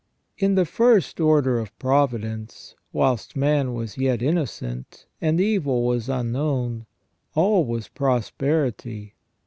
In the first order of providence, whilst man was yet innocent and evil was unknown, all was prosperity.